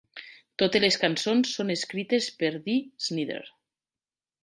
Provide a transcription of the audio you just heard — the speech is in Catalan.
Totes les cançons són escrites per Dee Snider.